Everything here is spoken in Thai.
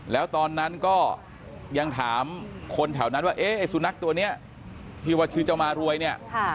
แล้วตอนนั้นก็ยังถามคนแถวนั้นว่าเอ๊ะไอ้สุนัขตัวนี้ที่ว่าชื่อเจ้ามารวยเนี่ย